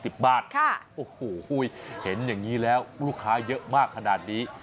โอ้โหเห็นอย่างนี้แล้วลูกค้าเยอะมากขนาดนี้